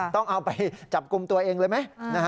ต้องเอาไปจับกลุ่มตัวเองเลยไหม